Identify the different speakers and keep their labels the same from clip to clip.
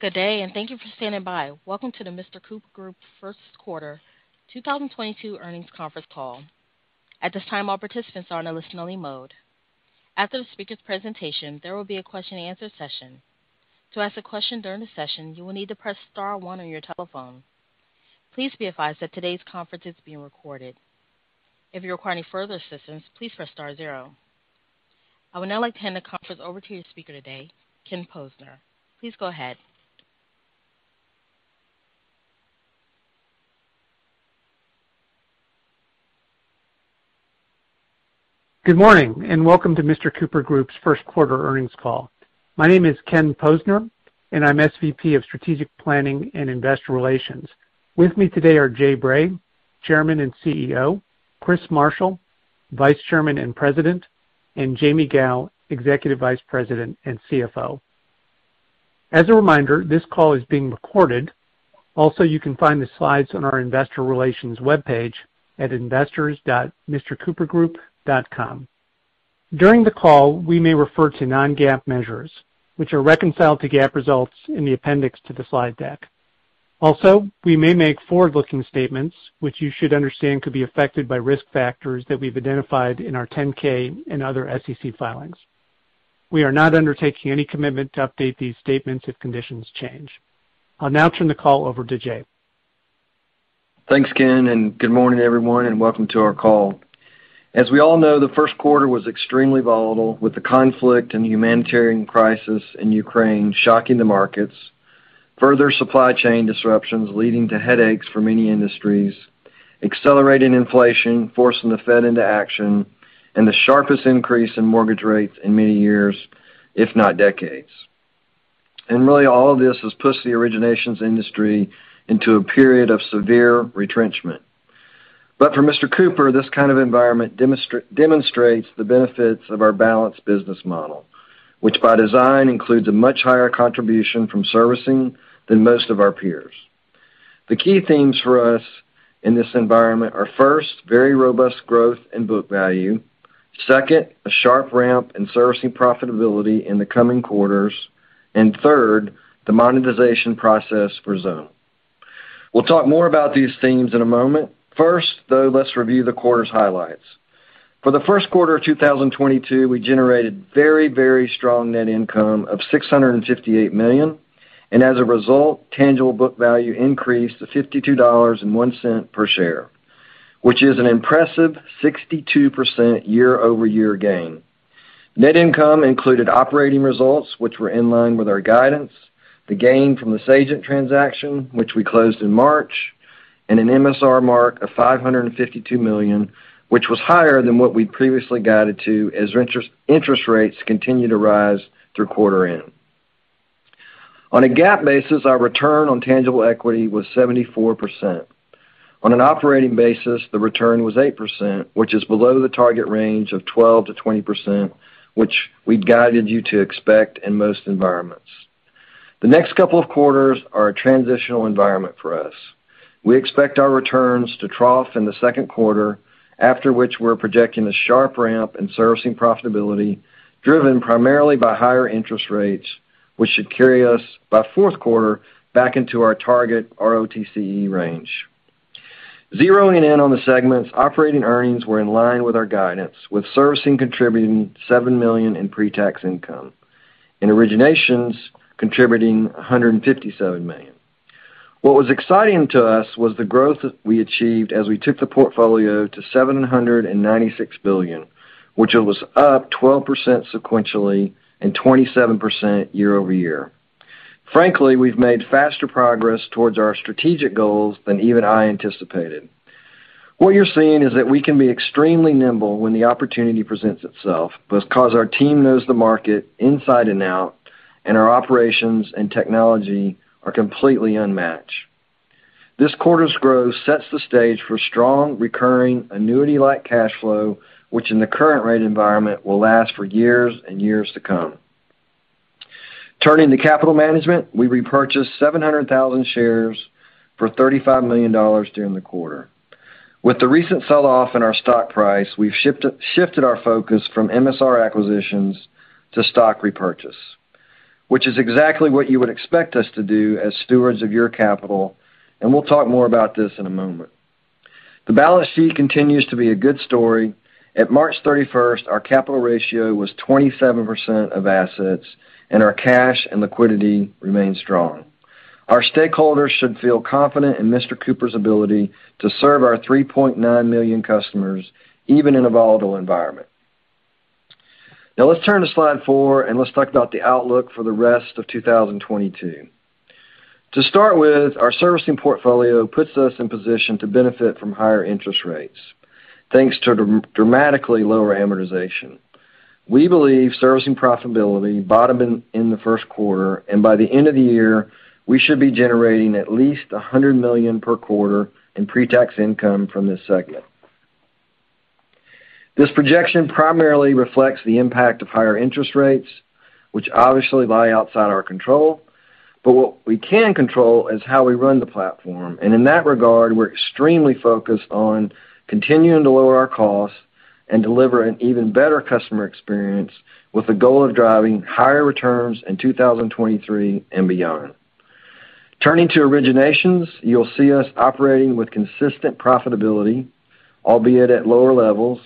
Speaker 1: Good day, and thank you for standing by. Welcome to the Mr. Cooper Group First Quarter 2022 earnings conference call. At this time, all participants are in a listen-only mode. After the speaker's presentation, there will be a question and answer session. To ask a question during the session, you will need to press star one on your telephone. Please be advised that today's conference is being recorded. If you require any further assistance, please press star zero. I would now like to hand the conference over to your speaker today, Ken Posner. Please go ahead.
Speaker 2: Good morning, and welcome to Mr. Cooper Group's first quarter earnings call. My name is Ken Posner, and I'm SVP of Strategic Planning and Investor Relations. With me today are Jay Bray, Chairman and CEO, Chris Marshall, Vice Chairman and President, and Jaime Gow, Executive Vice President and CFO. As a reminder, this call is being recorded. Also, you can find the slides on our investor relations webpage at investors.mrcoopergroup.com. During the call, we may refer to non-GAAP measures, which are reconciled to GAAP results in the appendix to the slide deck. Also, we may make forward-looking statements, which you should understand could be affected by risk factors that we've identified in our 10-K and other SEC filings. We are not undertaking any commitment to update these statements if conditions change. I'll now turn the call over to Jay.
Speaker 3: Thanks, Ken, and good morning, everyone, and welcome to our call. As we all know, the first quarter was extremely volatile, with the conflict and humanitarian crisis in Ukraine shocking the markets, further supply chain disruptions leading to headaches for many industries, accelerating inflation forcing the Fed into action, and the sharpest increase in mortgage rates in many years, if not decades. Really all of this has pushed the originations industry into a period of severe retrenchment. For Mr. Cooper, this kind of environment demonstrates the benefits of our balanced business model, which by design includes a much higher contribution from servicing than most of our peers. The key themes for us in this environment are, first, very robust growth in book value, second, a sharp ramp in servicing profitability in the coming quarters, and third, the monetization process for Xome. We'll talk more about these themes in a moment. First, though, let's review the quarter's highlights. For the first quarter of 2022, we generated very, very strong net income of $658 million, and as a result, tangible book value increased to $52.01 per share, which is an impressive 62% year-over-year gain. Net income included operating results, which were in line with our guidance, the gain from the Sagent transaction, which we closed in March, and an MSR mark of $552 million, which was higher than what we'd previously guided to as interest rates continued to rise through quarter end. On a GAAP basis, our return on tangible equity was 74%. On an operating basis, the return was 8%, which is below the target range of 12%-20%, which we'd guided you to expect in most environments. The next couple of quarters are a transitional environment for us. We expect our returns to trough in the second quarter, after which we're projecting a sharp ramp in servicing profitability driven primarily by higher interest rates, which should carry us by fourth quarter back into our target ROTCE range. Zeroing in on the segments, operating earnings were in line with our guidance, with servicing contributing $7 million in pre-tax income and originations contributing $157 million. What was exciting to us was the growth that we achieved as we took the portfolio to $796 billion, which it was up 12% sequentially and 27% year over year. Frankly, we've made faster progress towards our strategic goals than even I anticipated. What you're seeing is that we can be extremely nimble when the opportunity presents itself because our team knows the market inside and out, and our operations and technology are completely unmatched. This quarter's growth sets the stage for strong recurring annuity-like cash flow, which in the current rate environment will last for years and years to come. Turning to capital management, we repurchased 700,000 shares for $35 million during the quarter. With the recent sell-off in our stock price, we've shifted our focus from MSR acquisitions to stock repurchase, which is exactly what you would expect us to do as stewards of your capital, and we'll talk more about this in a moment. The balance sheet continues to be a good story. At March 31st, our capital ratio was 27% of assets, and our cash and liquidity remain strong. Our stakeholders should feel confident in Mr. Cooper's ability to serve our 3.9 million customers, even in a volatile environment. Now let's turn to slide four, and let's talk about the outlook for the rest of 2022. To start with, our servicing portfolio puts us in position to benefit from higher interest rates, thanks to dramatically lower amortization. We believe servicing profitability bottomed in the first quarter, and by the end of the year, we should be generating at least $100 million per quarter in pre-tax income from this segment. This projection primarily reflects the impact of higher interest rates, which obviously lie outside our control. What we can control is how we run the platform, and in that regard, we're extremely focused on continuing to lower our costs and deliver an even better customer experience with the goal of driving higher returns in 2023 and beyond. Turning to originations, you'll see us operating with consistent profitability, albeit at lower levels,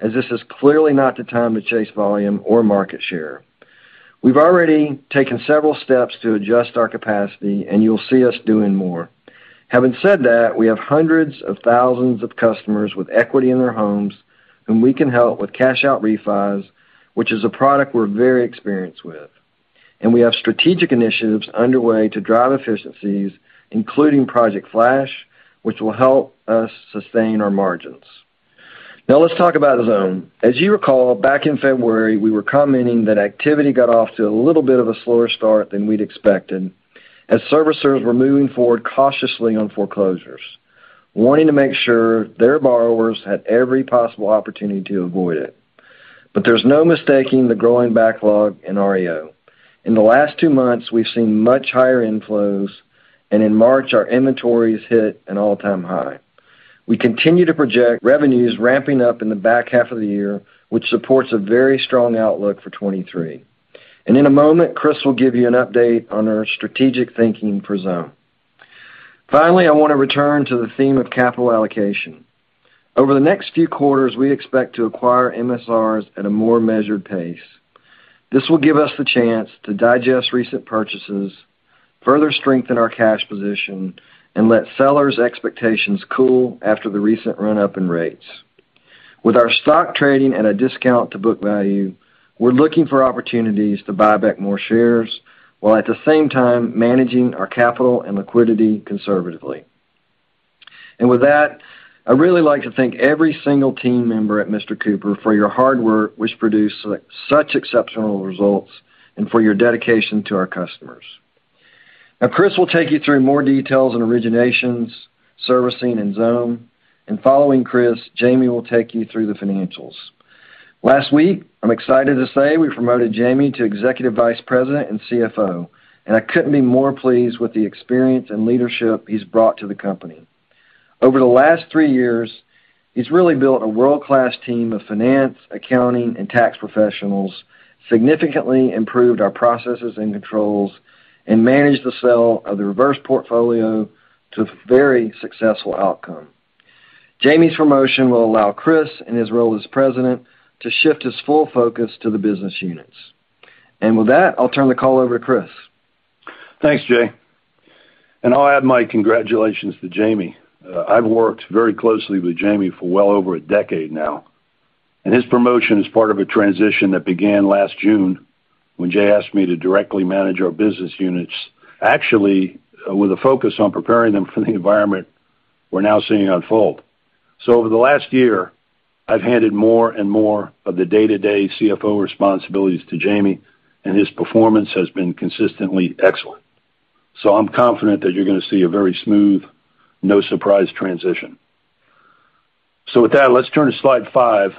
Speaker 3: as this is clearly not the time to chase volume or market share. We've already taken several steps to adjust our capacity, and you'll see us doing more. Having said that, we have hundreds of thousands of customers with equity in their homes whom we can help with cash-out refis, which is a product we're very experienced with. We have strategic initiatives underway to drive efficiencies, including Project Flash, which will help us sustain our margins. Now let's talk about Xome. As you recall, back in February, we were commenting that activity got off to a little bit of a slower start than we'd expected, as servicers were moving forward cautiously on foreclosures, wanting to make sure their borrowers had every possible opportunity to avoid it. There's no mistaking the growing backlog in REO. In the last two months, we've seen much higher inflows, and in March, our inventories hit an all-time high. We continue to project revenues ramping up in the back half of the year, which supports a very strong outlook for 2023. In a moment, Chris will give you an update on our strategic thinking for Xome. Finally, I want to return to the theme of capital allocation. Over the next few quarters, we expect to acquire MSRs at a more measured pace. This will give us the chance to digest recent purchases, further strengthen our cash position, and let sellers' expectations cool after the recent run-up in rates. With our stock trading at a discount to book value, we're looking for opportunities to buy back more shares, while at the same time managing our capital and liquidity conservatively. With that, I'd really like to thank every single team member at Mr. Cooper for your hard work, which produced such exceptional results, and for your dedication to our customers. Now, Chris will take you through more details on originations, servicing, and Xome. Following Chris, Jaime will take you through the financials. Last week, I'm excited to say we promoted Jaime to Executive Vice President and CFO, and I couldn't be more pleased with the experience and leadership he's brought to the company. Over the last three years, he's really built a world-class team of finance, accounting, and tax professionals, significantly improved our processes and controls, and managed the sale of the reverse portfolio to a very successful outcome. Jaime's promotion will allow Chris, in his role as President, to shift his full focus to the business units. With that, I'll turn the call over to Chris.
Speaker 4: Thanks, Jay. I'll add my congratulations to Jaime. I've worked very closely with Jaime for well over a decade now, and his promotion is part of a transition that began last June when Jay asked me to directly manage our business units, actually with a focus on preparing them for the environment we're now seeing unfold. Over the last year, I've handed more and more of the day-to-day CFO responsibilities to Jaime, and his performance has been consistently excellent. I'm confident that you're going to see a very smooth, no-surprise transition. With that, let's turn to slide five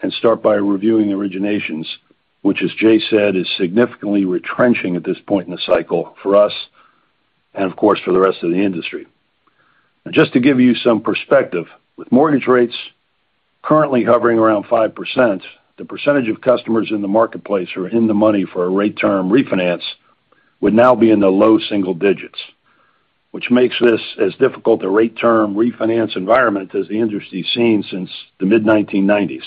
Speaker 4: and start by reviewing originations, which as Jay said, is significantly retrenching at this point in the cycle for us and of course, for the rest of the industry. Just to give you some perspective, with mortgage rates currently hovering around 5%, the percentage of customers in the marketplace who are in the money for a rate term refinance would now be in the low single digits, which makes this as difficult a rate term refinance environment as the industry's seen since the mid-1990s.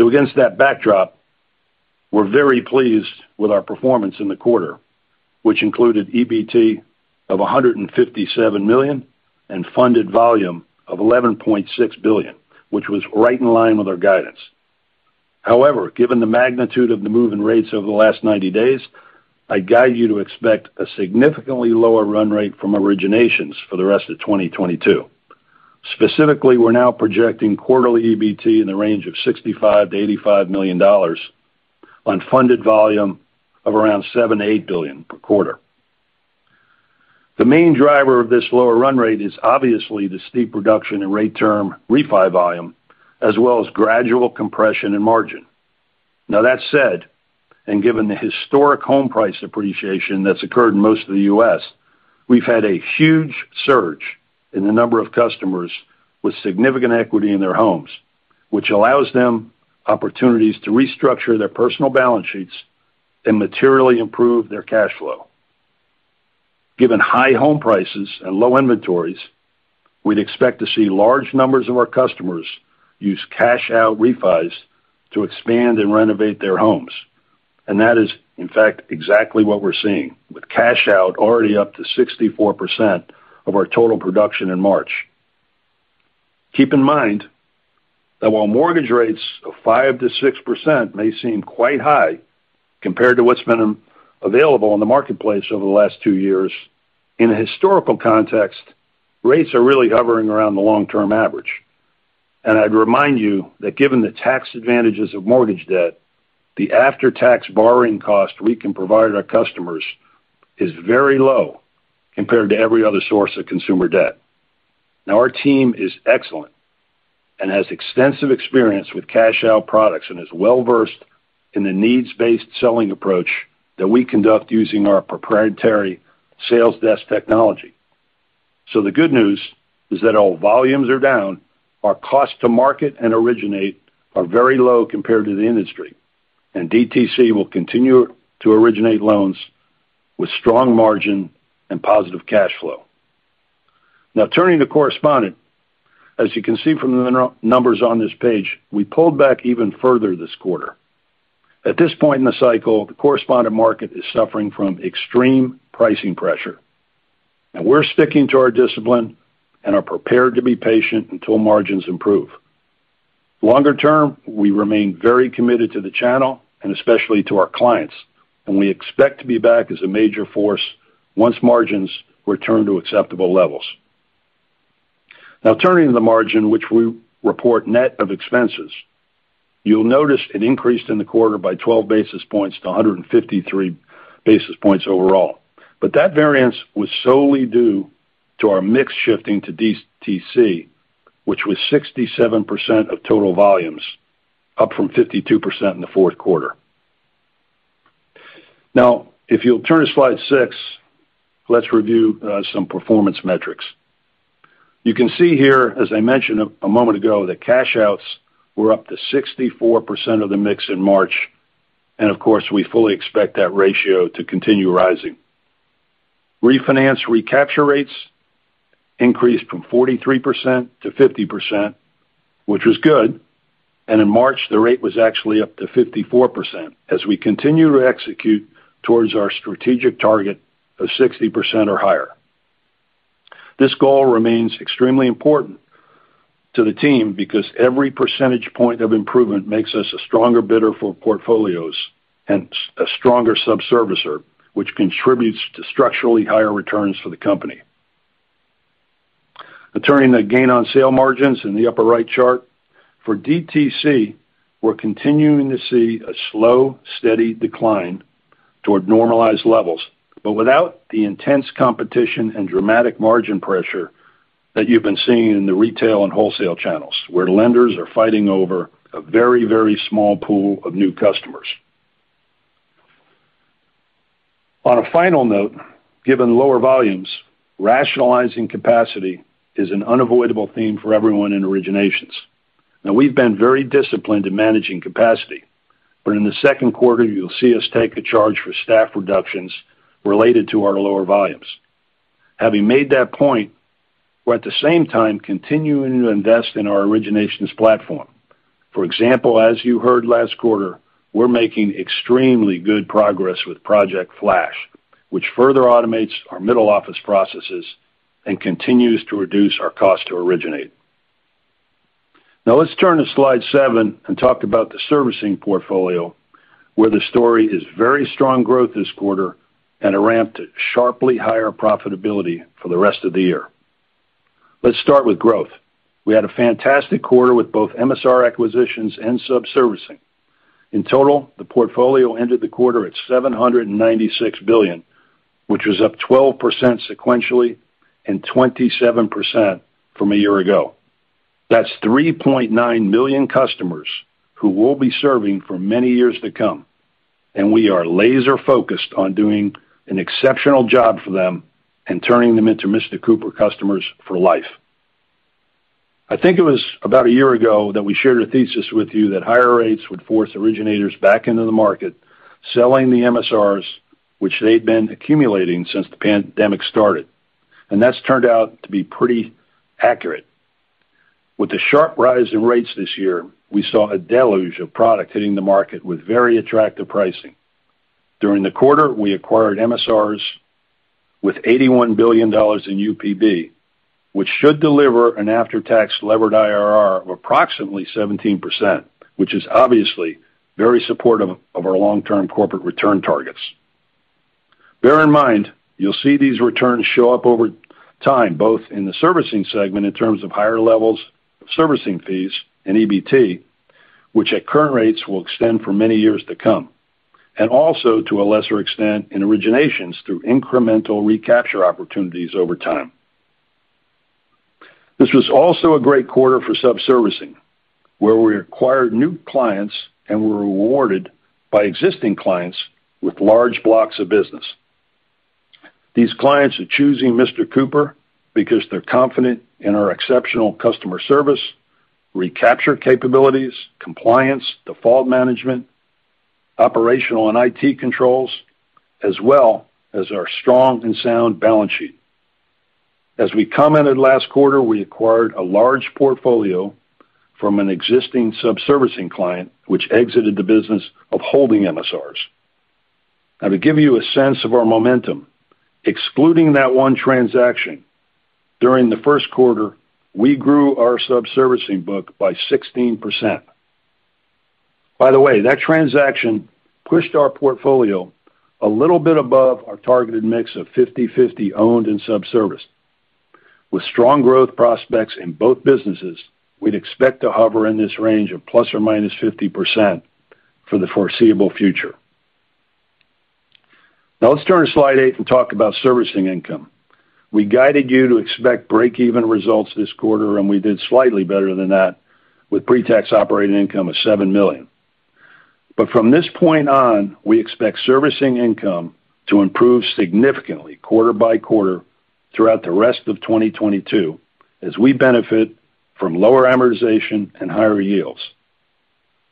Speaker 4: Against that backdrop, we're very pleased with our performance in the quarter, which included EBT of $157 million and funded volume of $11.6 billion, which was right in line with our guidance. However, given the magnitude of the move in rates over the last 90 days, I guide you to expect a significantly lower run rate from originations for the rest of 2022. Specifically, we're now projecting quarterly EBT in the range of $65 million-$85 million on funded volume of around $7 billion-$8 billion per quarter. The main driver of this lower run rate is obviously the steep reduction in rate term refi volume, as well as gradual compression in margin. Now, that said, and given the historic home price appreciation that's occurred in most of the U.S., we've had a huge surge in the number of customers with significant equity in their homes, which allows them opportunities to restructure their personal balance sheets and materially improve their cash flow. Given high home prices and low inventories, we'd expect to see large numbers of our customers use cash-out refis to expand and renovate their homes. That is, in fact, exactly what we're seeing, with cash out already up to 64% of our total production in March. Keep in mind that while mortgage rates of 5%-6% may seem quite high compared to what's been available in the marketplace over the last two years, in a historical context, rates are really hovering around the long-term average. I'd remind you that given the tax advantages of mortgage debt, the after-tax borrowing cost we can provide our customers is very low compared to every other source of consumer debt. Now, our team is excellent and has extensive experience with cash-out products and is well-versed in the needs-based selling approach that we conduct using our proprietary sales desk technology. The good news is that our volumes are down, our cost to market and originate are very low compared to the industry, and DTC will continue to originate loans with strong margin and positive cash flow. Now turning to correspondent. As you can see from the numbers on this page, we pulled back even further this quarter. At this point in the cycle, the correspondent market is suffering from extreme pricing pressure. We're sticking to our discipline and are prepared to be patient until margins improve. Longer term, we remain very committed to the channel and especially to our clients, and we expect to be back as a major force once margins return to acceptable levels. Now turning to the margin, which we report net of expenses. You'll notice it increased in the quarter by 12 basis points to 153 basis points overall. That variance was solely due to our mix shifting to DTC, which was 67% of total volumes, up from 52% in the fourth quarter. Now, if you'll turn to slide six, let's review some performance metrics. You can see here, as I mentioned a moment ago, that cash outs were up to 64% of the mix in March, and of course, we fully expect that ratio to continue rising. Refinance recapture rates increased from 43%-50%, which was good, and in March, the rate was actually up to 54% as we continue to execute towards our strategic target of 60% or higher. This goal remains extremely important to the team because every percentage point of improvement makes us a stronger bidder for portfolios and a stronger sub-servicer, which contributes to structurally higher returns for the company. Now turning to gain on sale margins in the upper right chart. For DTC, we're continuing to see a slow, steady decline toward normalized levels, but without the intense competition and dramatic margin pressure that you've been seeing in the retail and wholesale channels, where lenders are fighting over a very, very small pool of new customers. On a final note, given lower volumes, rationalizing capacity is an unavoidable theme for everyone in originations. Now we've been very disciplined in managing capacity, but in the second quarter, you'll see us take a charge for staff reductions related to our lower volumes. Having made that point, we're at the same time continuing to invest in our originations platform. For example, as you heard last quarter, we're making extremely good progress with Project Flash, which further automates our middle office processes and continues to reduce our cost to originate. Now let's turn to slide seven and talk about the servicing portfolio, where the story is very strong growth this quarter and a ramp to sharply higher profitability for the rest of the year. Let's start with growth. We had a fantastic quarter with both MSR acquisitions and subservicing. In total, the portfolio ended the quarter at $796 billion, which was up 12% sequentially and 27% from a year ago. That's 3.9 million customers who we'll be serving for many years to come, and we are laser-focused on doing an exceptional job for them and turning them into Mr. Cooper customers for life. I think it was about a year ago that we shared a thesis with you that higher rates would force originators back into the market, selling the MSRs which they'd been accumulating since the pandemic started. That's turned out to be pretty accurate. With the sharp rise in rates this year, we saw a deluge of product hitting the market with very attractive pricing. During the quarter, we acquired MSRs with $81 billion in UPB, which should deliver an after-tax levered IRR of approximately 17%, which is obviously very supportive of our long-term corporate return targets. Bear in mind, you'll see these returns show up over time, both in the servicing segment in terms of higher levels of servicing fees and EBT, which at current rates will extend for many years to come, and also to a lesser extent in originations through incremental recapture opportunities over time. This was also a great quarter for subservicing, where we acquired new clients and were rewarded by existing clients with large blocks of business. These clients are choosing Mr. Cooper because they're confident in our exceptional customer service, recapture capabilities, compliance, default management, operational and IT controls, as well as our strong and sound balance sheet. As we commented last quarter, we acquired a large portfolio from an existing subservicing client which exited the business of holding MSRs. Now to give you a sense of our momentum, excluding that one transaction, during the first quarter, we grew our subservicing book by 16%. By the way, that transaction pushed our portfolio a little bit above our targeted mix of 50/50 owned and sub-serviced. With strong growth prospects in both businesses, we'd expect to hover in this range of ±50% for the foreseeable future. Now let's turn to slide eight and talk about servicing income. We guided you to expect break-even results this quarter, and we did slightly better than that with pre-tax operating income of $7 million. From this point on, we expect servicing income to improve significantly quarter by quarter throughout the rest of 2022 as we benefit from lower amortization and higher yields.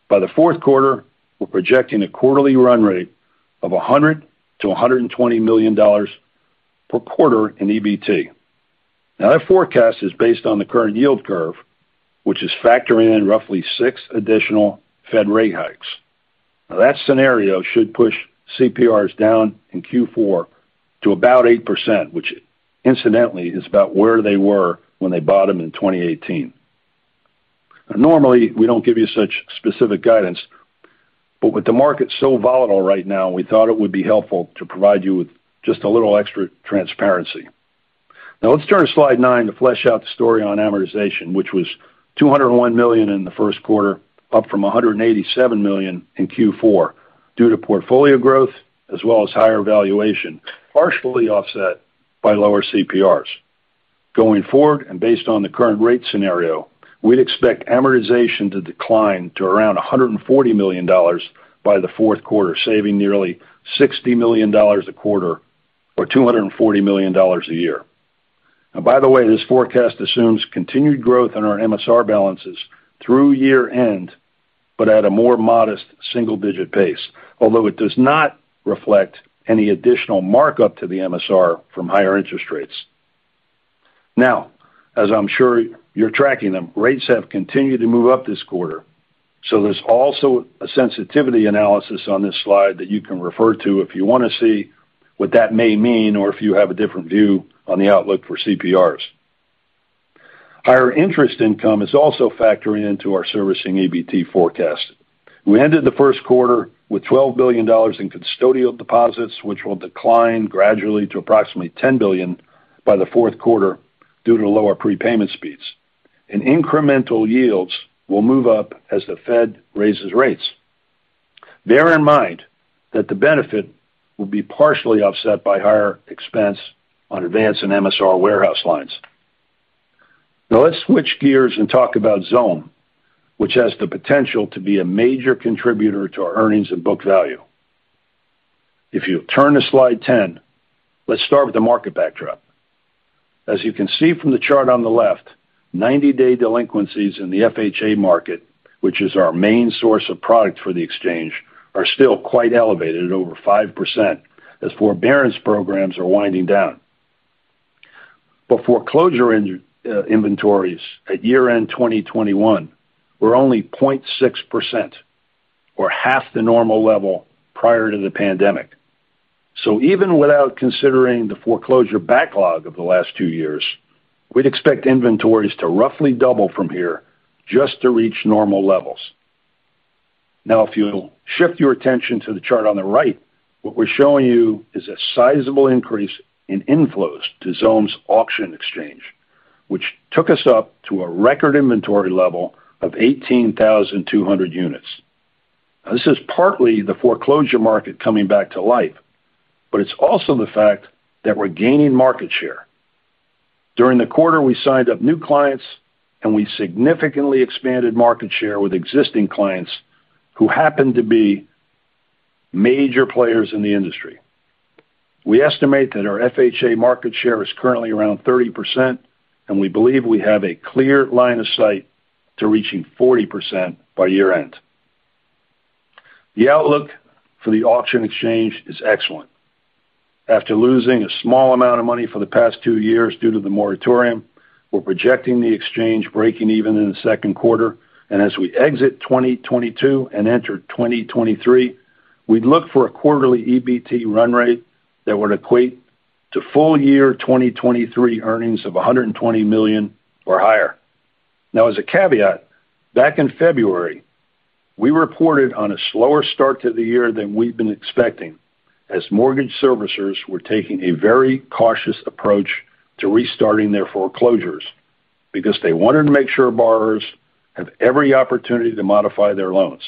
Speaker 4: By the fourth quarter, we're projecting a quarterly run rate of $100 million-$120 million per quarter in EBT. Now, that forecast is based on the current yield curve, which is factoring in roughly 6 additional Fed rate hikes. Now, that scenario should push CPRs down in Q4 to about 8%, which incidentally is about where they were when they bought them in 2018. Now, normally, we don't give you such specific guidance, but with the market so volatile right now, we thought it would be helpful to provide you with just a little extra transparency. Now let's turn to slide nine to flesh out the story on amortization, which was $201 million in the first quarter, up from $187 million in Q4 due to portfolio growth as well as higher valuation, partially offset by lower CPRs. Going forward, and based on the current rate scenario, we'd expect amortization to decline to around $140 million by the fourth quarter, saving nearly $60 million a quarter or $240 million a year. Now, by the way, this forecast assumes continued growth in our MSR balances through year-end, but at a more modest single-digit pace. Although it does not reflect any additional markup to the MSR from higher interest rates. Now, as I'm sure you're tracking them, rates have continued to move up this quarter, so there's also a sensitivity analysis on this slide that you can refer to if you wanna see what that may mean or if you have a different view on the outlook for CPRs. Higher interest income is also factoring into our servicing EBT forecast. We ended the first quarter with $12 billion in custodial deposits, which will decline gradually to approximately $10 billion by the fourth quarter due to lower prepayment speeds. Incremental yields will move up as the Fed raises rates. Bear in mind that the benefit will be partially offset by higher expense on advance in MSR warehouse lines. Now let's switch gears and talk about Xome, which has the potential to be a major contributor to our earnings and book value. If you turn to slide 10, let's start with the market backdrop. As you can see from the chart on the left, 90-day delinquencies in the FHA market, which is our main source of product for the exchange, are still quite elevated at over 5% as forbearance programs are winding down. Foreclosure inventories at year-end 2021 were only 0.6% or half the normal level prior to the pandemic. Even without considering the foreclosure backlog of the last two years, we'd expect inventories to roughly double from here just to reach normal levels. Now, if you'll shift your attention to the chart on the right, what we're showing you is a sizable increase in inflows to Xome's auction exchange, which took us up to a record inventory level of 18,200 units. Now this is partly the foreclosure market coming back to life, but it's also the fact that we're gaining market share. During the quarter, we signed up new clients, and we significantly expanded market share with existing clients who happen to be major players in the industry. We estimate that our FHA market share is currently around 30%, and we believe we have a clear line of sight to reaching 40% by year-end. The outlook for the auction exchange is excellent. After losing a small amount of money for the past two years due to the moratorium, we're projecting the exchange breaking even in the second quarter. As we exit 2022 and enter 2023, we'd look for a quarterly EBT run rate that would equate to full year 2023 earnings of $120 million or higher. Now, as a caveat, back in February, we reported on a slower start to the year than we'd been expecting, as mortgage servicers were taking a very cautious approach to restarting their foreclosures because they wanted to make sure borrowers have every opportunity to modify their loans.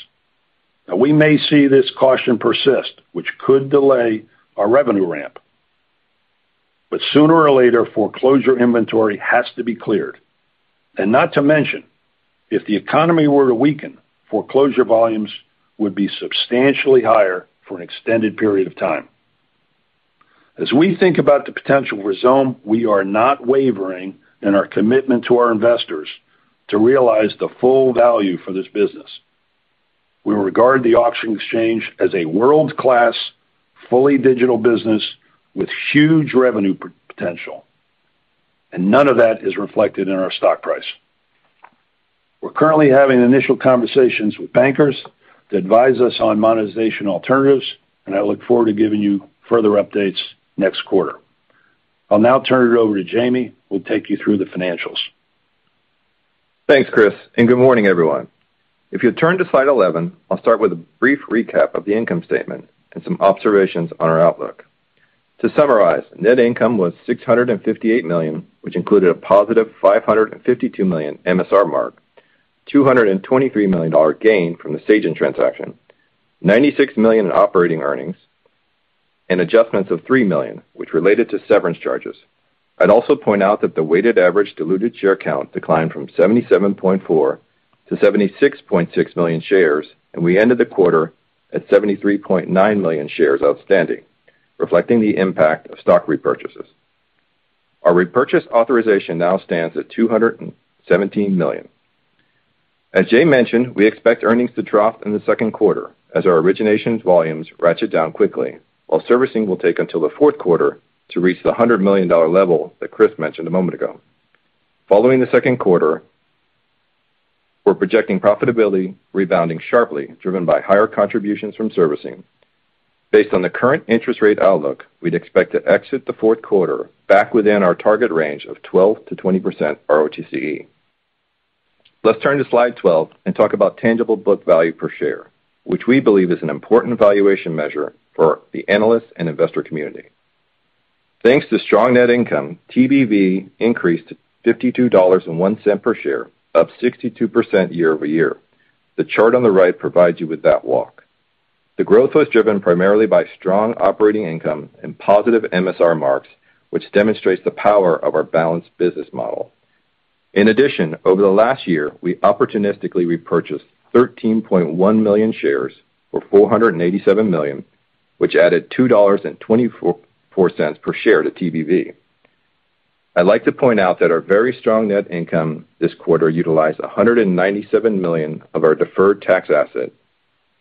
Speaker 4: Now we may see this caution persist, which could delay our revenue ramp. Sooner or later, foreclosure inventory has to be cleared. Not to mention, if the economy were to weaken, foreclosure volumes would be substantially higher for an extended period of time. As we think about the potential for Xome, we are not wavering in our commitment to our investors to realize the full value for this business. We regard the auction exchange as a world-class, fully digital business with huge revenue potential, and none of that is reflected in our stock price. We're currently having initial conversations with bankers to advise us on monetization alternatives, and I look forward to giving you further updates next quarter. I'll now turn it over to Jaime, who will take you through the financials.
Speaker 5: Thanks, Chris, and good morning, everyone. If you turn to slide 11, I'll start with a brief recap of the income statement and some observations on our outlook. To summarize, net income was $658 million, which included a positive $552 million MSR mark, $223 million gain from the Sagent transaction, $96 million in operating earnings and adjustments of $3 million, which related to severance charges. I'd also point out that the weighted average diluted share count declined from 77.4 to 76.6 million shares, and we ended the quarter at 73.9 million shares outstanding, reflecting the impact of stock repurchases. Our repurchase authorization now stands at $217 million. As Jay mentioned, we expect earnings to trough in the second quarter as our originations volumes ratchet down quickly while servicing will take until the fourth quarter to reach the $100 million level that Chris mentioned a moment ago. Following the second quarter, we're projecting profitability rebounding sharply, driven by higher contributions from servicing. Based on the current interest rate outlook, we'd expect to exit the fourth quarter back within our target range of 12%-20% ROTCE. Let's turn to slide 12 and talk about tangible book value per share, which we believe is an important valuation measure for the analyst and investor community. Thanks to strong net income, TBV increased to $52.01 per share, up 62% year-over-year. The chart on the right provides you with that walk. The growth was driven primarily by strong operating income and positive MSR marks, which demonstrates the power of our balanced business model. In addition, over the last year, we opportunistically repurchased 13.1 million shares for $487 million, which added $2.24 per share to TBV. I'd like to point out that our very strong net income this quarter utilized $197 million of our deferred tax asset,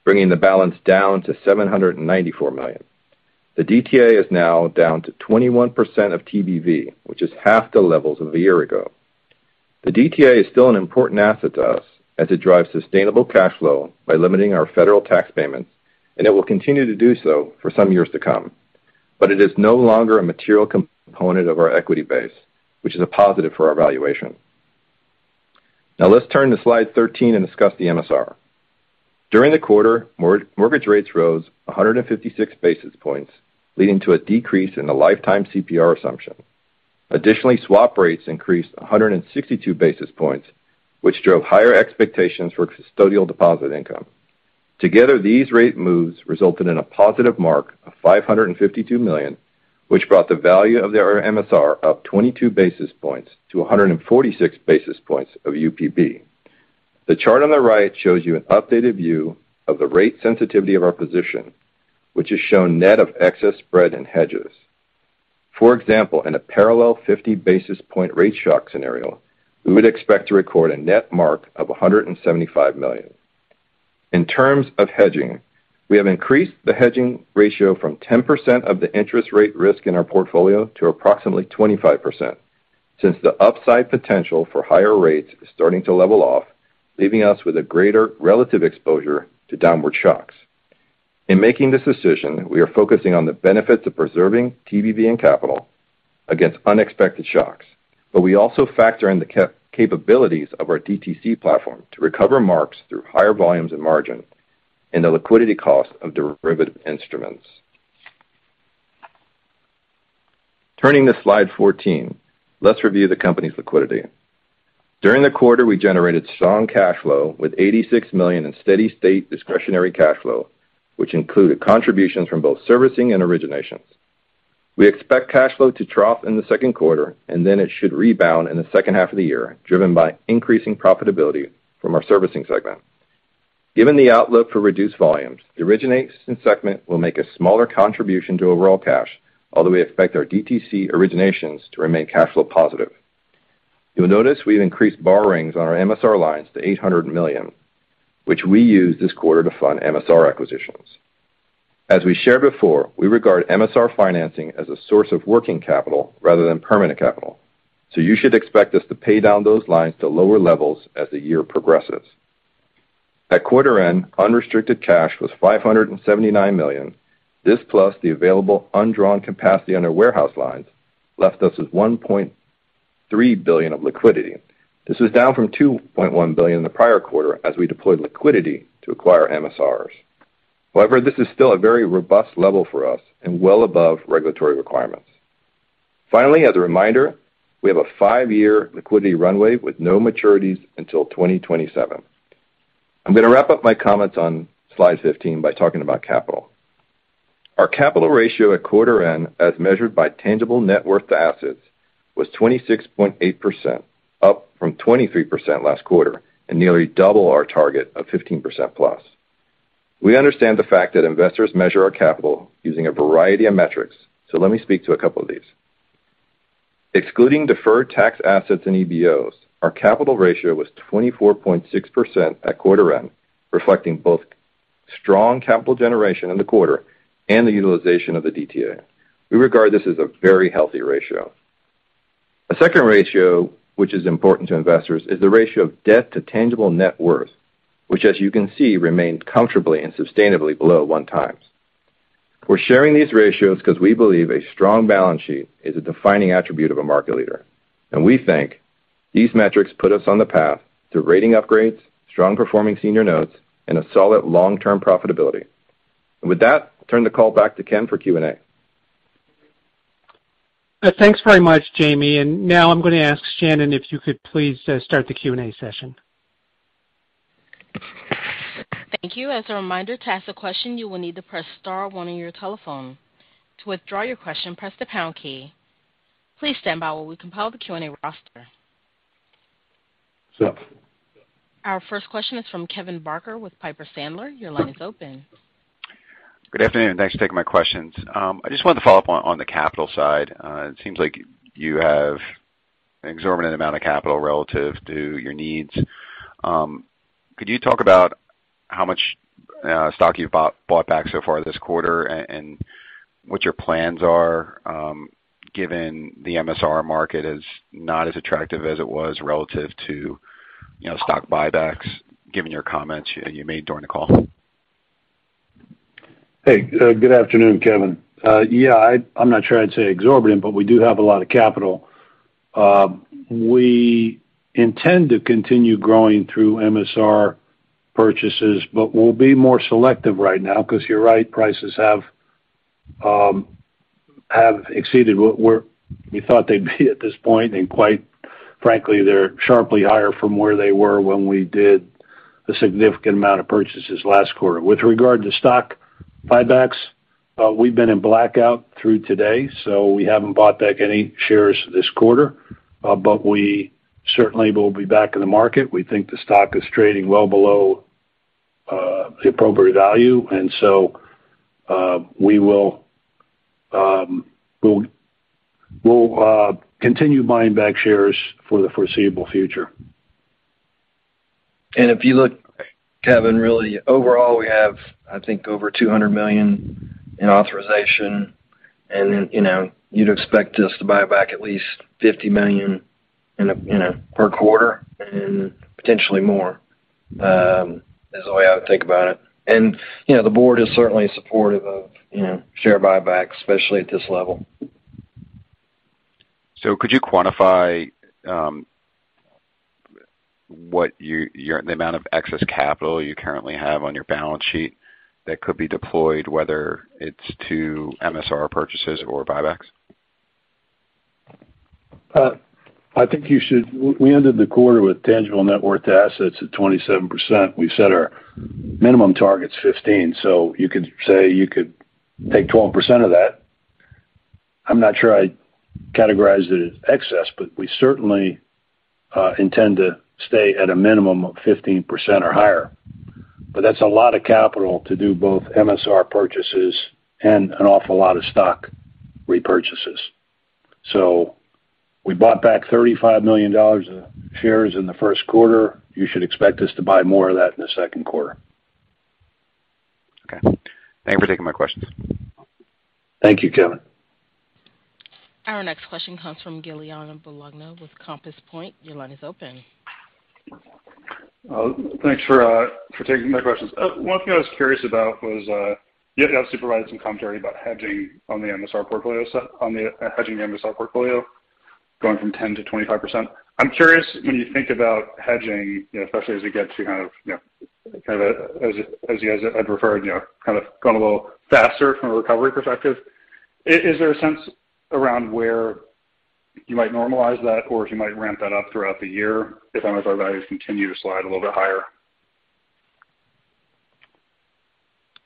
Speaker 5: bringing the balance down to $794 million. The DTA is now down to 21% of TBV, which is half the levels of a year ago. The DTA is still an important asset to us as it drives sustainable cash flow by limiting our federal tax payments, and it will continue to do so for some years to come. It is no longer a material component of our equity base, which is a positive for our valuation. Now let's turn to slide 13 and discuss the MSR. During the quarter, mortgage rates rose 156 basis points, leading to a decrease in the lifetime CPR assumption. Additionally, swap rates increased 162 basis points, which drove higher expectations for custodial deposit income. Together, these rate moves resulted in a positive mark of $552 million, which brought the value of our MSR up 22 basis points to 146 basis points of UPB. The chart on the right shows you an updated view of the rate sensitivity of our position, which is shown net of excess spread and hedges. For example, in a parallel 50 basis point rate shock scenario, we would expect to record a net mark of $175 million. In terms of hedging, we have increased the hedging ratio from 10% of the interest rate risk in our portfolio to approximately 25% since the upside potential for higher rates is starting to level off, leaving us with a greater relative exposure to downward shocks. In making this decision, we are focusing on the benefits of preserving TBV and capital against unexpected shocks. We also factor in the capabilities of our DTC platform to recover marks through higher volumes and margin and the liquidity cost of derivative instruments. Turning to slide 14, let's review the company's liquidity. During the quarter, we generated strong cash flow with $86 million in steady-state discretionary cash flow, which included contributions from both servicing and originations. We expect cash flow to trough in the second quarter, and then it should rebound in the second half of the year, driven by increasing profitability from our servicing segment. Given the outlook for reduced volumes, the originations segment will make a smaller contribution to overall cash, although we expect our DTC originations to remain cash flow positive. You'll notice we've increased borrowings on our MSR lines to $800 million, which we used this quarter to fund MSR acquisitions. As we shared before, we regard MSR financing as a source of working capital rather than permanent capital. You should expect us to pay down those lines to lower levels as the year progresses. At quarter end, unrestricted cash was $579 million. This plus the available undrawn capacity on our warehouse lines left us with $1.3 billion of liquidity. This was down from $2.1 billion in the prior quarter as we deployed liquidity to acquire MSRs. However, this is still a very robust level for us and well above regulatory requirements. Finally, as a reminder, we have a five year liquidity runway with no maturities until 2027. I'm going to wrap up my comments on slide 15 by talking about capital. Our capital ratio at quarter end, as measured by tangible net worth to assets, was 26.8%, up from 23% last quarter and nearly double our target of 15%+. We understand the fact that investors measure our capital using a variety of metrics, so let me speak to a couple of these. Excluding deferred tax assets and EBOs, our capital ratio was 24.6% at quarter end, reflecting both strong capital generation in the quarter and the utilization of the DTA. We regard this as a very healthy ratio. A second ratio which is important to investors is the ratio of debt to tangible net worth, which as you can see remains comfortably and sustainably below 1x. We're sharing these ratios because we believe a strong balance sheet is a defining attribute of a market leader, and we think these metrics put us on the path to rating upgrades, strong performing senior notes, and a solid long-term profitability. With that, I'll turn the call back to Ken for Q&A.
Speaker 2: Thanks very much, Jaime. Now I'm going to ask Shannon if you could please start the Q&A session.
Speaker 1: Thank you. As a reminder, to ask a question, you will need to press star one on your telephone. To withdraw your question, press the pound key. Please stand by while we compile the Q&A roster. Our first question is from Kevin Barker with Piper Sandler. Your line is open.
Speaker 6: Good afternoon, and thanks for taking my questions. I just wanted to follow up on the capital side. It seems like you have an exorbitant amount of capital relative to your needs. Could you talk about how much stock you bought back so far this quarter and what your plans are, given the MSR market is not as attractive as it was relative to, you know, stock buybacks, given your comments you made during the call?
Speaker 4: Hey, good afternoon, Kevin. I'm not sure I'd say exorbitant, but we do have a lot of capital. We intend to continue growing through MSR purchases, but we'll be more selective right now because you're right, prices have exceeded what we thought they'd be at this point. Quite frankly, they're sharply higher from where they were when we did the significant amount of purchases last quarter. With regard to stock buybacks, we've been in blackout through today, so we haven't bought back any shares this quarter. We certainly will be back in the market. We think the stock is trading well below the appropriate value. We'll continue buying back shares for the foreseeable future.
Speaker 3: If you look, Kevin, really overall, we have, I think, over $200 million in authorization. Then, you know, you'd expect us to buy back at least $50 million per quarter and potentially more is the way I would think about it. You know, the board is certainly supportive of, you know, share buybacks, especially at this level.
Speaker 6: Could you quantify what the amount of excess capital you currently have on your balance sheet that could be deployed, whether it's to MSR purchases or buybacks?
Speaker 4: We ended the quarter with tangible net worth assets at 27%. We set our minimum targets 15. You could say you could take 12% of that. I'm not sure I'd categorize it as excess, but we certainly intend to stay at a minimum of 15% or higher. That's a lot of capital to do both MSR purchases and an awful lot of stock repurchases. We bought back $35 million of shares in the first quarter. You should expect us to buy more of that in the second quarter.
Speaker 6: Okay. Thank you for taking my questions.
Speaker 4: Thank you, Kevin.
Speaker 1: Our next question comes from Giuliano Bologna with Compass Point. Your line is open.
Speaker 7: Thanks for taking my questions. One thing I was curious about was, you have provided some commentary about hedging on the MSR portfolio on the hedging MSR portfolio going from 10%-25%. I'm curious, when you think about hedging, you know, especially as we get to kind of, you know, kind of a, as you had referred, you know, kind of gone a little faster from a recovery perspective. Is there a sense around where you might normalize that or if you might ramp that up throughout the year if MSR values continue to slide a little bit higher?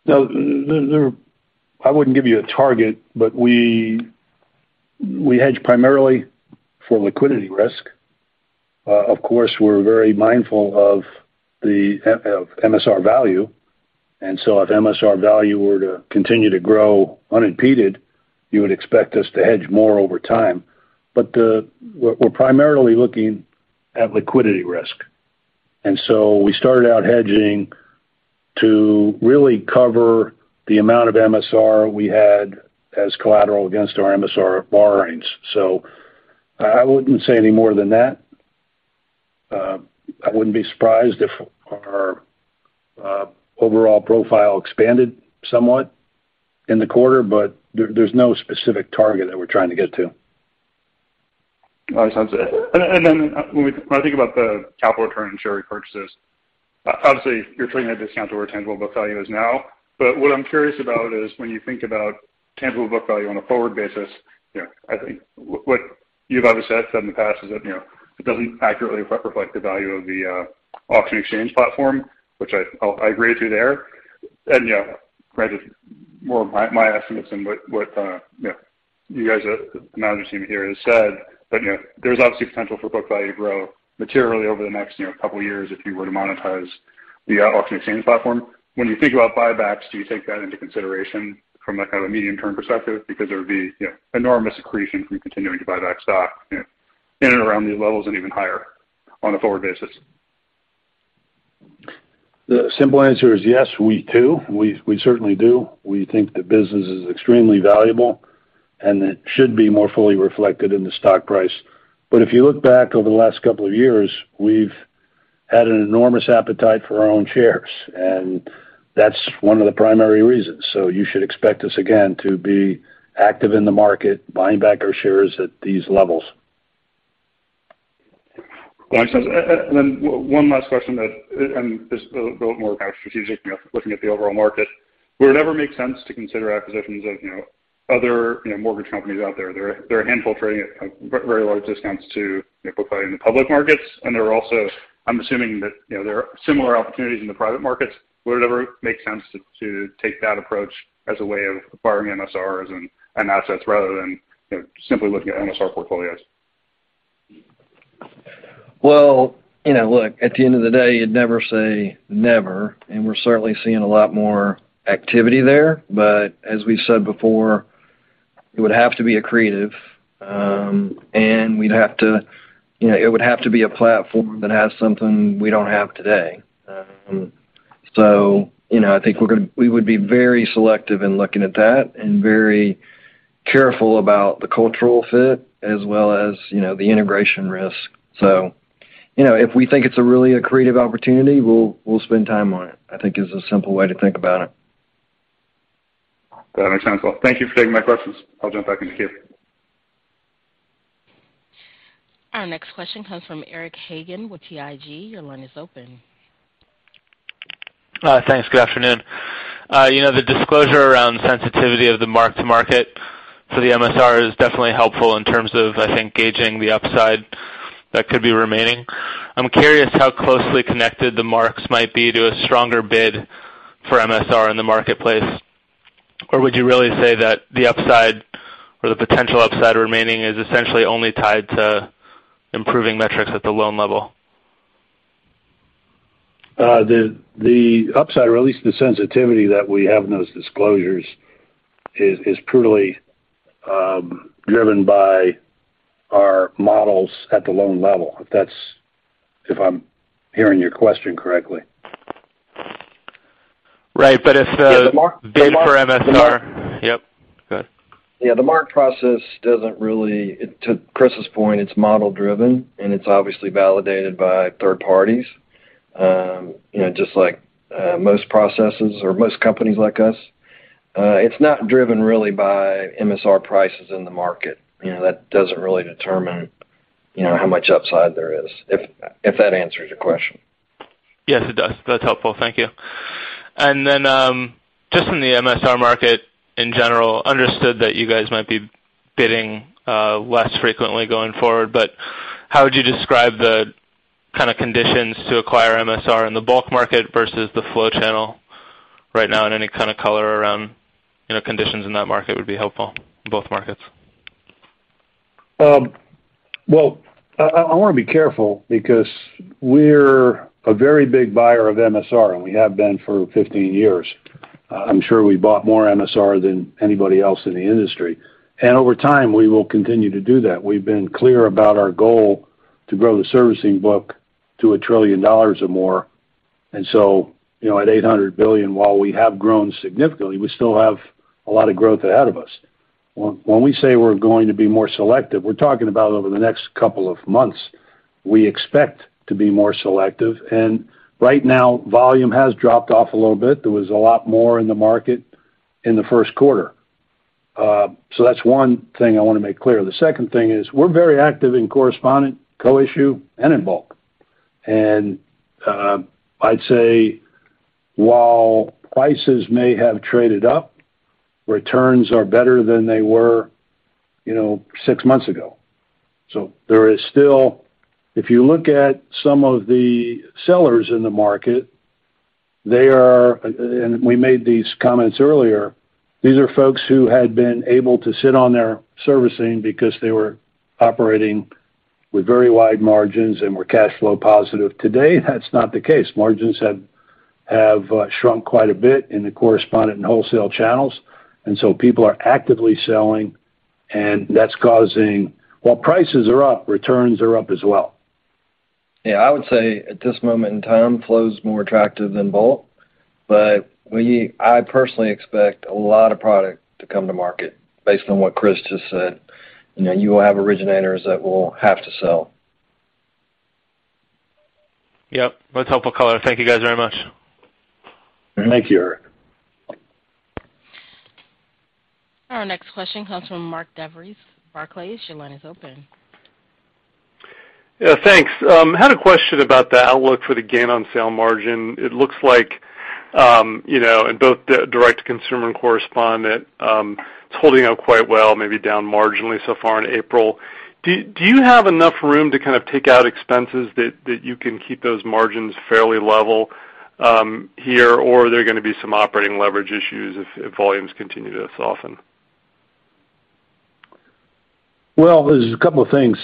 Speaker 4: No. I wouldn't give you a target, but we hedge primarily for liquidity risk. Of course, we're very mindful of the MSR value, and so if MSR value were to continue to grow unimpeded, you would expect us to hedge more over time. But we're primarily looking at liquidity risk. We started out hedging to really cover the amount of MSR we had as collateral against our MSR borrowings. I wouldn't say any more than that. I wouldn't be surprised if our overall profile expanded somewhat in the quarter, but there's no specific target that we're trying to get to.
Speaker 7: I sense it. When I think about the capital return and share repurchases, obviously you're trading at a discount to where tangible book value is now. What I'm curious about is when you think about tangible book value on a forward basis, you know, I think what you've obviously said in the past is that, you know, it doesn't accurately reflect the value of the auction exchange platform, which I agree with you there. You know, granted more my estimates than what you know you guys, the management team here has said. You know, there's obviously potential for book value to grow materially over the next, you know, couple of years if you were to monetize the auction exchange platform. When you think about buybacks, do you take that into consideration from, like, kind of a medium-term perspective? Because there would be, you know, enormous accretion from continuing to buy back stock, you know, in and around these levels and even higher on a forward basis.
Speaker 4: The simple answer is yes, we do. We certainly do. We think the business is extremely valuable, and it should be more fully reflected in the stock price. But if you look back over the last couple of years, we've had an enormous appetite for our own shares, and that's one of the primary reasons. You should expect us again to be active in the market, buying back our shares at these levels.
Speaker 7: Got you. One last question that is a little more kind of strategic, you know, looking at the overall market. Would it ever make sense to consider acquisitions of, you know, other, you know, mortgage companies out there? There are a handful trading at very large discounts to, you know, book value in the public markets. There are also, I'm assuming that, you know, there are similar opportunities in the private markets. Would it ever make sense to take that approach as a way of acquiring MSRs and assets rather than, you know, simply looking at MSR portfolios?
Speaker 3: Well, you know, look, at the end of the day, you'd never say never, and we're certainly seeing a lot more activity there. As we said before, it would have to be accretive, and we'd have to, you know, it would have to be a platform that has something we don't have today. You know, I think we would be very selective in looking at that and very careful about the cultural fit as well as, you know, the integration risk. You know, if we think it's a really accretive opportunity, we'll spend time on it, I think, is a simple way to think about it.
Speaker 7: That makes sense. Well, thank you for taking my questions. I'll jump back in the queue.
Speaker 1: Our next question comes from Eric Hagen with BTIG. Your line is open.
Speaker 8: Thanks. Good afternoon. You know, the disclosure around sensitivity of the mark-to-market for the MSR is definitely helpful in terms of, I think, gauging the upside that could be remaining. I'm curious how closely connected the marks might be to a stronger bid for MSR in the marketplace. Would you really say that the upside or the potential upside remaining is essentially only tied to improving metrics at the loan level?
Speaker 4: The upside, or at least the sensitivity that we have in those disclosures is purely driven by our models at the loan level, if I'm hearing your question correctly.
Speaker 8: Right.
Speaker 3: Yeah, the mark.
Speaker 8: Bid for MSR. Yep. Go ahead.
Speaker 3: Yeah, the mark process doesn't really. To Chris's point, it's model driven, and it's obviously validated by third parties, you know, just like most processes or most companies like us. It's not driven really by MSR prices in the market. You know, that doesn't really determine, you know, how much upside there is. If that answers your question.
Speaker 8: Yes, it does. That's helpful. Thank you. Just in the MSR market in general, understood that you guys might be bidding less frequently going forward, but how would you describe the kinda conditions to acquire MSR in the bulk market versus the flow channel right now, and any kind of color around, you know, conditions in that market would be helpful. Both markets.
Speaker 4: Well, I wanna be careful because we're a very big buyer of MSR, and we have been for 15 years. I'm sure we bought more MSR than anybody else in the industry. Over time, we will continue to do that. We've been clear about our goal to grow the servicing book to $1 trillion or more. You know, at $800 billion, while we have grown significantly, we still have a lot of growth ahead of us. When we say we're going to be more selective, we're talking about over the next couple of months, we expect to be more selective. Right now, volume has dropped off a little bit. There was a lot more in the market in the first quarter. That's one thing I wanna make clear. The second thing is we're very active in correspondent, co-issue, and in bulk. I'd say while prices may have traded up, returns are better than they were, you know, six months ago. There is still. If you look at some of the sellers in the market, they are, and we made these comments earlier, these are folks who had been able to sit on their servicing because they were operating with very wide margins and were cash flow positive. Today, that's not the case. Margins have shrunk quite a bit in the correspondent and wholesale channels, and so people are actively selling, and that's causing, while prices are up, returns are up as well.
Speaker 3: Yeah. I would say at this moment in time, flow's more attractive than bulk. I personally expect a lot of product to come to market based on what Chris just said. You know, you will have originators that will have to sell.
Speaker 8: Yep. That's helpful color. Thank you, guys, very much.
Speaker 4: Thank you, Eric.
Speaker 1: Our next question comes from Mark DeVries, Barclays. Your line is open.
Speaker 9: Yeah. Thanks. Had a question about the outlook for the gain on sale margin. It looks like, you know, in both the direct to consumer and correspondent, it's holding up quite well, maybe down marginally so far in April. Do you have enough room to kind of take out expenses that you can keep those margins fairly level here, or are there gonna be some operating leverage issues if volumes continue to soften?
Speaker 4: Well, there's a couple of things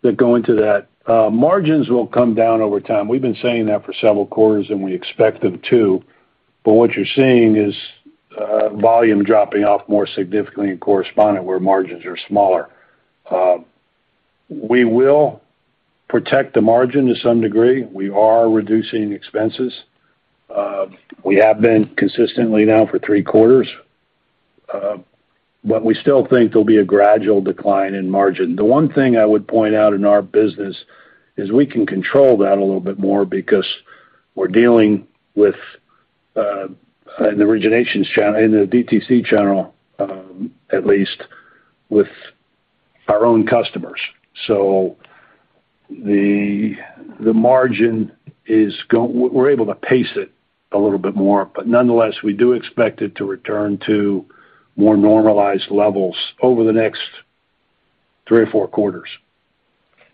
Speaker 4: that go into that. Margins will come down over time. We've been saying that for several quarters, and we expect them to. What you're seeing is, volume dropping off more significantly in correspondent where margins are smaller. We will protect the margin to some degree. We are reducing expenses. We have been consistently now for three quarters. We still think there'll be a gradual decline in margin. The one thing I would point out in our business is we can control that a little bit more because we're dealing with, in the originations channel, in the DTC channel, at least with our own customers. The margin, we're able to pace it a little bit more, but nonetheless, we do expect it to return to more normalized levels over the next three or four quarters.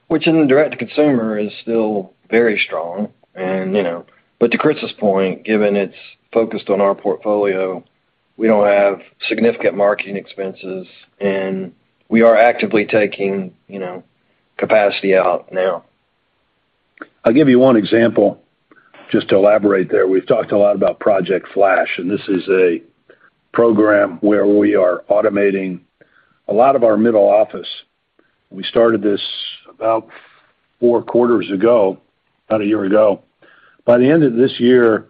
Speaker 3: Which in the direct-to-consumer is still very strong. You know, but to Chris's point, given it's focused on our portfolio, we don't have significant marketing expenses, and we are actively taking, you know, capacity out now.
Speaker 4: I'll give you one example just to elaborate there. We've talked a lot about Project Flash, and this is a program where we are automating a lot of our middle office. We started this about four quarters ago, about a year ago. By the end of this year,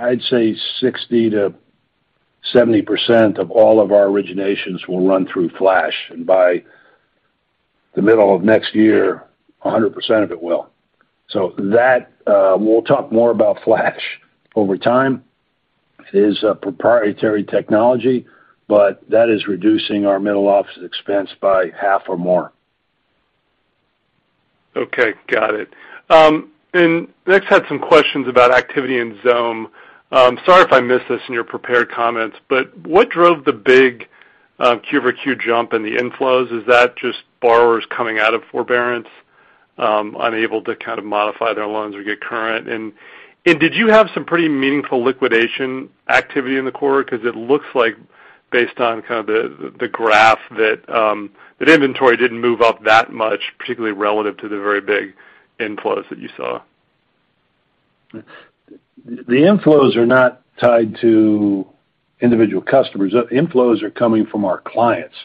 Speaker 4: I'd say 60%-70% of all of our originations will run through Flash. By the middle of next year, 100% of it will. That we'll talk more about Flash over time. It is a proprietary technology, but that is reducing our middle office expense by half or more.
Speaker 9: Okay, got it. Next, I had some questions about activity in Xome. Sorry if I missed this in your prepared comments, but what drove the big Q-over-Q jump in the inflows? Is that just borrowers coming out of forbearance, unable to kind of modify their loans or get current? Did you have some pretty meaningful liquidation activity in the quarter? Because it looks like based on kind of the graph that inventory didn't move up that much, particularly relative to the very big inflows that you saw.
Speaker 4: The inflows are not tied to individual customers. Inflows are coming from our clients.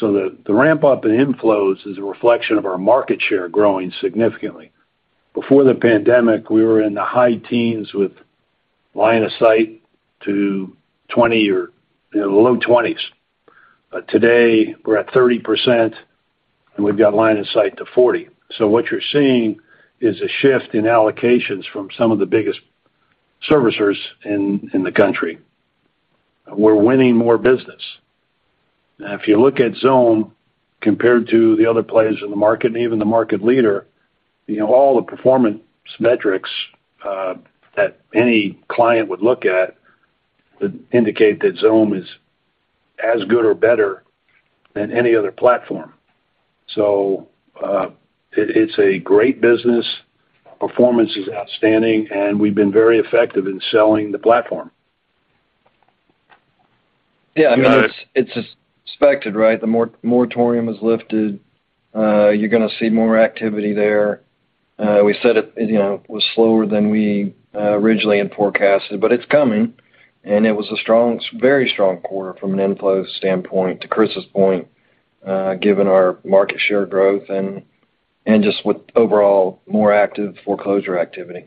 Speaker 4: The ramp up in inflows is a reflection of our market share growing significantly. Before the pandemic, we were in the high teens with line of sight to 20 or, you know, the low 20s. Today, we're at 30%, and we've got line of sight to 40%. What you're seeing is a shift in allocations from some of the biggest servicers in the country. We're winning more business. If you look at Xome compared to the other players in the market and even the market leader, you know, all the performance metrics that any client would look at would indicate that Xome is as good or better than any other platform. It's a great business. Performance is outstanding, and we've been very effective in selling the platform.
Speaker 9: Got it.
Speaker 3: Yeah, I mean, it's expected, right? The moratorium is lifted. You're gonna see more activity there. We said it, you know, was slower than we originally had forecasted, but it's coming. It was a strong, very strong quarter from an inflow standpoint, to Chris's point, given our market share growth and just with overall more active foreclosure activity.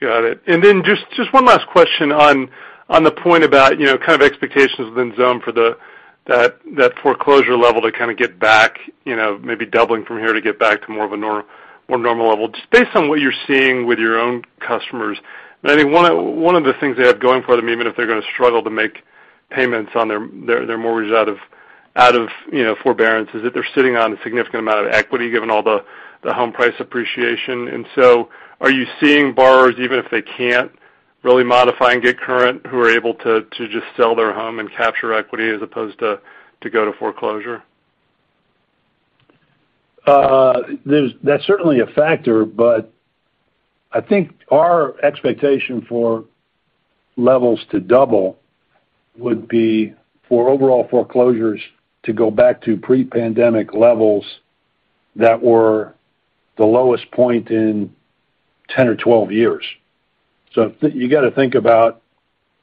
Speaker 9: Got it. Just one last question on the point about, you know, kind of expectations within Xome that foreclosure level to kind of get back, you know, maybe doubling from here to get back to more of a more normal level. Just based on what you're seeing with your own customers. I think one of the things they have going for them, even if they're gonna struggle to make payments on their mortgage out of, you know, forbearance, is that they're sitting on a significant amount of equity given all the home price appreciation. Are you seeing borrowers, even if they can't really modify and get current, who are able to just sell their home and capture equity as opposed to go to foreclosure?
Speaker 4: That's certainly a factor, but I think our expectation for levels to double would be for overall foreclosures to go back to pre-pandemic levels that were the lowest point in 10 or 12 years. You gotta think about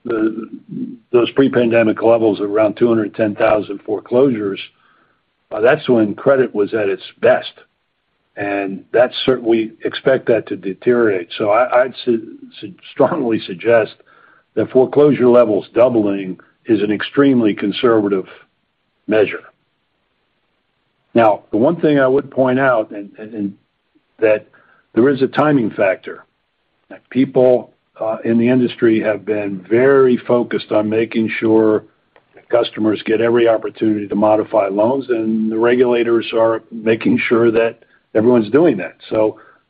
Speaker 4: those pre-pandemic levels around 210,000 foreclosures. That's when credit was at its best, and that's, we expect that to deteriorate. I'd strongly suggest that foreclosure levels doubling is an extremely conservative measure. Now, the one thing I would point out that there is a timing factor. People in the industry have been very focused on making sure that customers get every opportunity to modify loans. The regulators are making sure that everyone's doing that.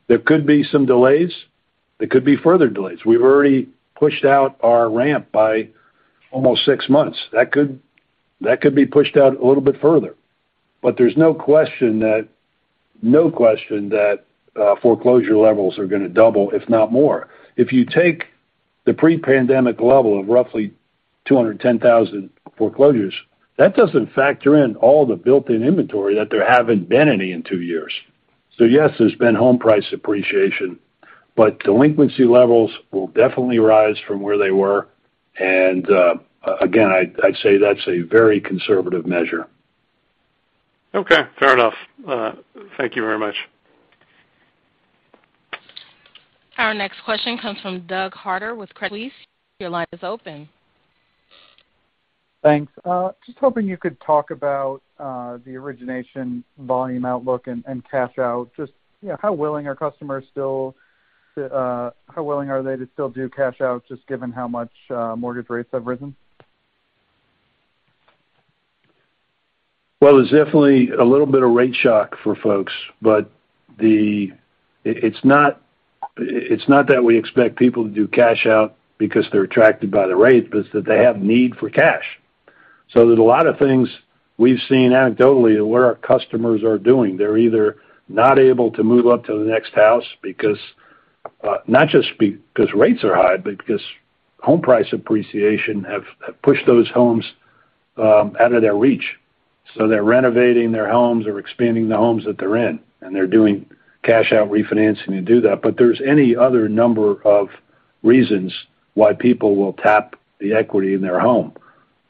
Speaker 4: There could be some delays. There could be further delays. We've already pushed out our ramp by almost six months. That could be pushed out a little bit further. There's no question that foreclosure levels are gonna double, if not more. If you take the pre-pandemic level of roughly 210,000 foreclosures, that doesn't factor in all the built-in inventory that there haven't been any in two years. Yes, there's been home price appreciation, but delinquency levels will definitely rise from where they were. Again, I'd say that's a very conservative measure.
Speaker 9: Okay, fair enough. Thank you very much.
Speaker 1: Our next question comes from Doug Harter with Credit Suisse. Your line is open.
Speaker 10: Thanks. Just hoping you could talk about the origination volume outlook and cash out. You know, how willing are they to still do cash out just given how much mortgage rates have risen?
Speaker 4: Well, there's definitely a little bit of rate shock for folks, but it's not that we expect people to do cash out because they're attracted by the rate, but it's that they have need for cash. There's a lot of things we've seen anecdotally of what our customers are doing. They're either not able to move up to the next house because, not just because rates are high, but because home price appreciation have pushed those homes out of their reach. They're renovating their homes or expanding the homes that they're in, and they're doing cash out refinancing to do that. There's any other number of reasons why people will tap the equity in their home.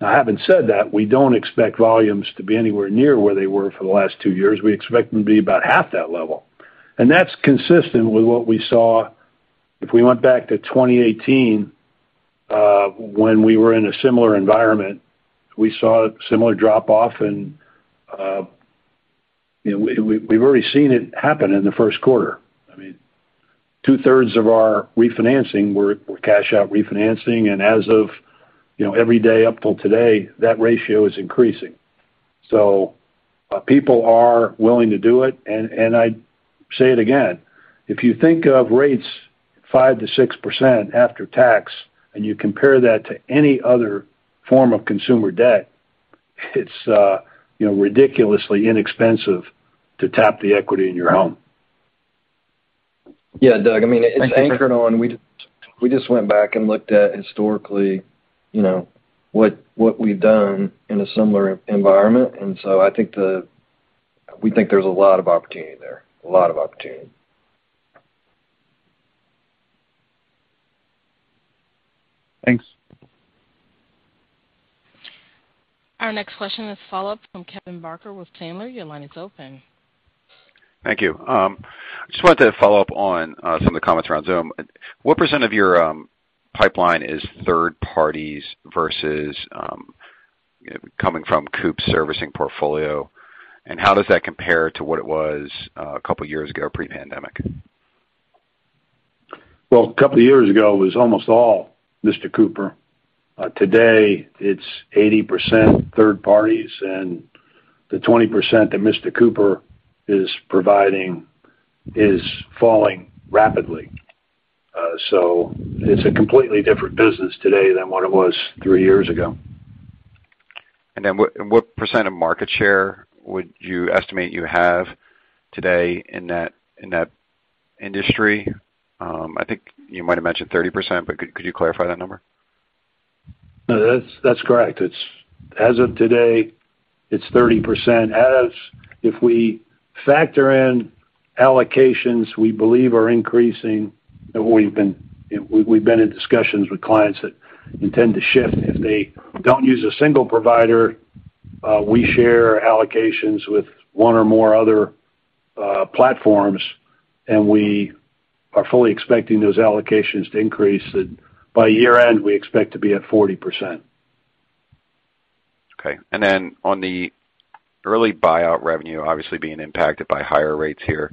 Speaker 4: Now, having said that, we don't expect volumes to be anywhere near where they were for the last two years. We expect them to be about half that level. That's consistent with what we saw. If we went back to 2018, when we were in a similar environment, we saw a similar drop off and, you know, we've already seen it happen in the first quarter. I mean, two-thirds of our refinancing were cash out refinancing and as of, you know, every day up till today, that ratio is increasing. People are willing to do it, and I say it again. If you think of rates 5%-6% after tax, and you compare that to any other form of consumer debt, it's, you know, ridiculously inexpensive to tap the equity in your home.
Speaker 3: Yeah. Doug, I mean, we just went back and looked at historically, you know, what we've done in a similar environment. We think there's a lot of opportunity there.
Speaker 10: Thanks.
Speaker 1: Our next question is a follow-up from Kevin Barker with Piper Sandler. Your line is open.
Speaker 6: Thank you. Just wanted to follow up on some of the comments around Xome. What % of your pipeline is third parties versus coming from Mr. Cooper servicing portfolio? How does that compare to what it was a couple of years ago pre-pandemic?
Speaker 4: Well, a couple of years ago, it was almost all Mr. Cooper. Today it's 80% third parties, and the 20% that Mr. Cooper is providing is falling rapidly. It's a completely different business today than what it was three years ago.
Speaker 6: What percent of market share would you estimate you have today in that industry? I think you might have mentioned 30%, but could you clarify that number?
Speaker 4: No, that's correct. It's as of today, it's 30%. As we factor in allocations we believe are increasing, we've been in discussions with clients that intend to shift. If they don't use a single provider, we share allocations with one or more other platforms, and we are fully expecting those allocations to increase. By year-end, we expect to be at 40%.
Speaker 6: Okay. On the early buyout revenue obviously being impacted by higher rates here,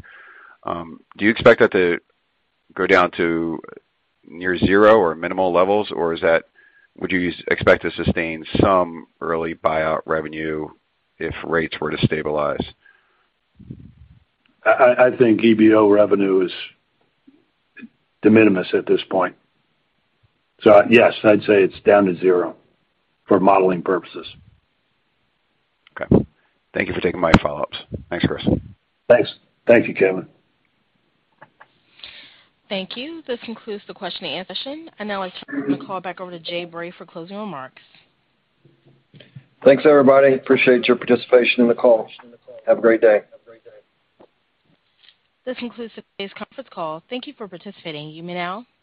Speaker 6: do you expect that to go down to near zero or minimal levels? Or would you expect to sustain some early buyout revenue if rates were to stabilize?
Speaker 4: I think EBO revenue is de minimis at this point. Yes, I'd say it's down to zero for modeling purposes.
Speaker 6: Okay. Thank you for taking my follow-ups. Thanks, Chris.
Speaker 4: Thanks. Thank you, Kevin.
Speaker 1: Thank you. This concludes the question and answer session. I now like to turn the call back over to Jay Bray for closing remarks.
Speaker 3: Thanks, everybody. Appreciate your participation in the call. Have a great day.
Speaker 1: This concludes today's conference call. Thank you for participating. You may now disconnect.